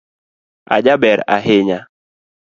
Ajaber ahinya